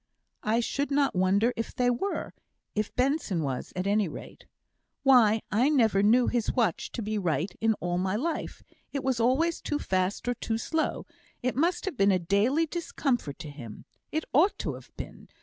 "I should not wonder if they were if Benson was, at any rate. Why, I never knew his watch to be right in all my life it was always too fast or too slow; it must have been a daily discomfort to him. It ought to have been.